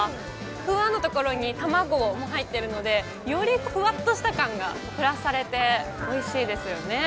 ふわのところに卵も入ってるので、よりふわっとした感がプラスされておいしいですよね。